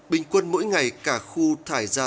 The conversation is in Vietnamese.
bình quân mỗi ngày cả khu thải ra